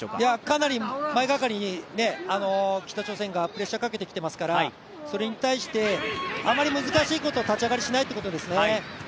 かなり前がかりに北朝鮮がプレッシャーかけてきてますからそれに対して、あまり難しいことを立ち上がりしないということですね。